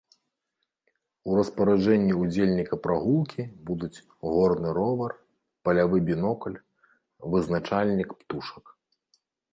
У распараджэнні ўдзельніка прагулкі будуць горны ровар, палявы бінокль, вызначальнік птушак.